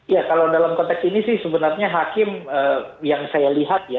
ya kalau dalam konteks ini sih sebenarnya hakim yang saya lihat ya